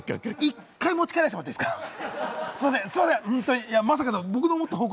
一回、持ち帰らせてもらっていいですか？